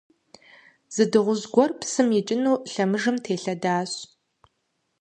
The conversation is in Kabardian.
Зы дыгъужь гуэр псым икӀыну лъэмыжым телъэдащ.